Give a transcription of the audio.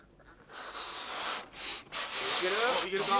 いけるか？